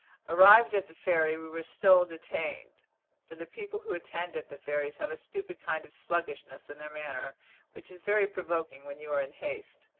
Arrived at the ferry, we were still detained, for the people who attend at the ferries have a stupid kind of sluggishness in their manner, which is very provoking when you are in haste.